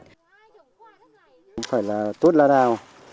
không phải là tuốt lá đào